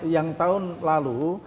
yang tahun lalu